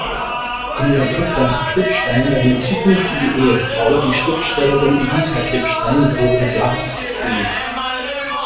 In Madrid lernte Klipstein seine zukünftige Ehefrau, die Schriftstellerin Editha Klipstein, geborene Blaß, kennen.